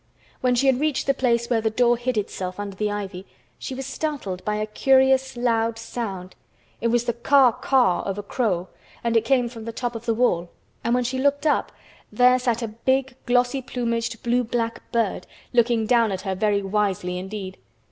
When she had reached the place where the door hid itself under the ivy, she was startled by a curious loud sound. It was the caw—caw of a crow and it came from the top of the wall, and when she looked up, there sat a big glossy plumaged blue black bird, looking down at her very wisely indeed.